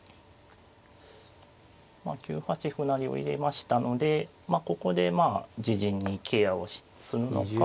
９八歩成を入れましたのでここでまあ自陣にケアをするのか。